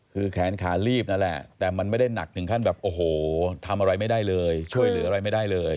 คือแขนขาลีบนั่นแหละแต่มันไม่ได้หนักถึงขั้นแบบโอ้โหทำอะไรไม่ได้เลยช่วยเหลืออะไรไม่ได้เลย